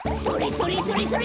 それそれそれ！